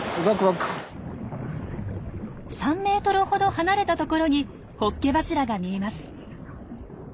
３ｍほど離れた所にホッケ柱が見えます。